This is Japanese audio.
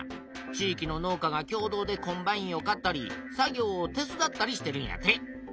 地いきの農家が共同でコンバインを買ったり作業を手伝ったりしてるんやて。